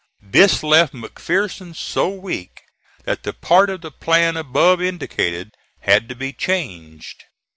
This left McPherson so weak that the part of the plan above indicated had to be changed.